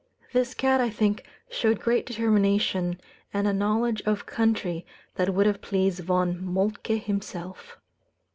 This cat, I think, showed great determination, and a knowledge of country that would have pleased Von Moltke himself.